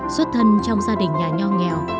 xuất thân trong gia đình nhà nho nghèo